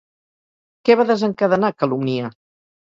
Què va desencadenar Calumnia?